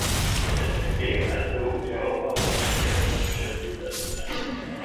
The game at Oklahoma was kept on the schedule as planned.